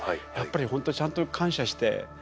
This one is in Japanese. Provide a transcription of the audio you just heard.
やっぱり本当ちゃんと感謝して。